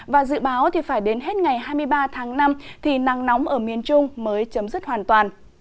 và dự báo phải đến hết ngày hai mươi ba tháng năm thì nắng nóng ở miền trung mới chấm dứt hoàn toàn